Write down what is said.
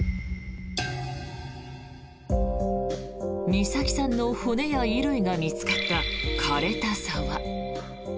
美咲さんの骨や衣類が見つかった、枯れた沢。